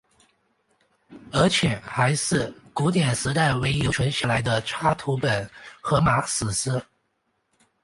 而且还是古典时代唯一留存下来的插图本荷马史诗。